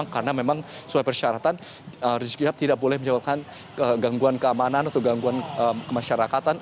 karena memang sesuai persyaratan rizik syihab tidak boleh menyebabkan gangguan keamanan atau gangguan kemasyarakatan